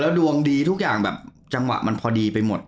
ดวงดีทุกอย่างแบบจังหวะมันพอดีไปหมด